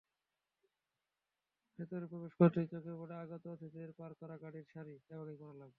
ভেতরে প্রবেশ করতেই চোখে পড়ে আগত অতিথিদের পার্ক করা গাড়ির সারি।